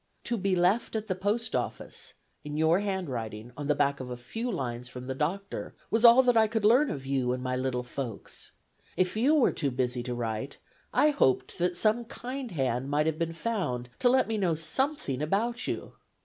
'To be left at the Post Office,' in your handwriting on the back of a few lines from the Dr. was all that I could learn of you and my little folks. If you were too busy to write, I hoped that some kind hand would have been found to let me know something about you.